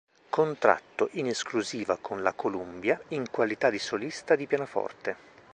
Contratto in esclusiva con la Columbia in qualità di solista di pianoforte.